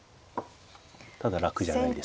ただ楽じゃないです。